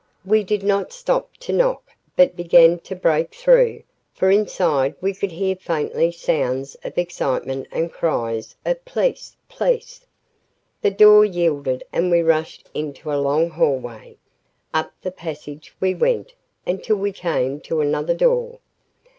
We did not stop to knock, but began to break through, for inside we could hear faintly sounds of excitement and cries of "Police police!" The door yielded and we rushed into a long hallway. Up the passage we went until we came to another door.